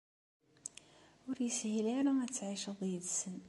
Ur yeshil ara ad tɛiceḍ yid-sen.